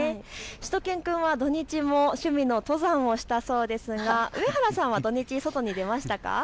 しゅと犬くんは土日も趣味の登山をしたそうですが、上原さんは土日外に出ましたか。